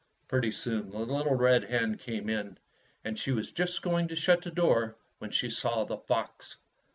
Pretty soon the little red hen came in, and she was just going to shut the door when she saw the fox.